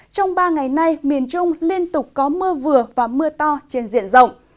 trong ba ngày nay miền trung liên tục có mưa vừa và mưa to trên diện rộng